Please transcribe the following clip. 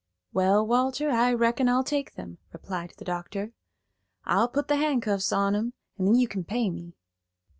"Well, Walter, I reckon I'll take them," replied the doctor. "I'll put the handcuffs on 'em, and then you can pay me."